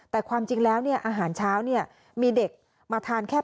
แต่ความจริงแล้วอาหารเช้ามีเด็กมาทานแค่